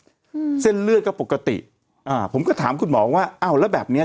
อืมเส้นเลือดก็ปกติอ่าผมก็ถามคุณหมอว่าอ้าวแล้วแบบเนี้ย